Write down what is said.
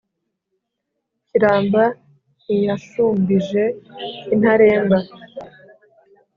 kiramba ntiyashumbije intaremba,